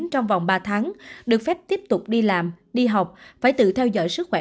trong vòng ba tháng được phép tiếp tục đi làm đi học phải tự theo dõi sức khỏe